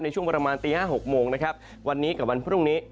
ช่วงประมาณตี๕๖โมงนะครับวันนี้กับวันพรุ่งนี้